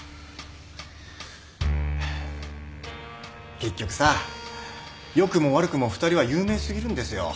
結局さ良くも悪くも２人は有名すぎるんですよ。